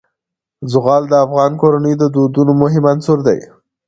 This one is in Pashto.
زغال د افغان کورنیو د دودونو مهم عنصر دی.